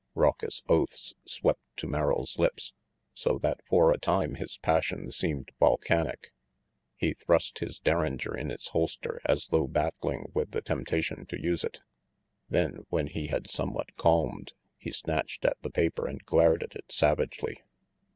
Raucous oaths swept to Merrill's lips, so that for a time his passion seemed volcanic. He thrust his derringer in its holster as though battling with the temptation to use it; then, when he had somewhat calmed, he snatched at the paper and glared at it savagely.